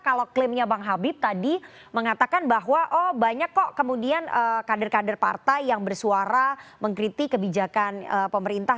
kalau klaimnya bang habib tadi mengatakan bahwa oh banyak kok kemudian kader kader partai yang bersuara mengkritik kebijakan pemerintah